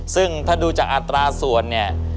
ซึ่งถ้าดูจากอัตราส่วนเนี่ย